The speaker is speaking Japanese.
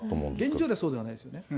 現状ではそうではないですよね。